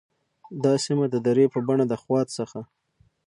دا سیمه د درې په بڼه د خوات څخه